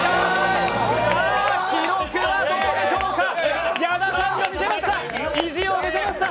記録はどうでしょうか矢田さんが意地を見せました。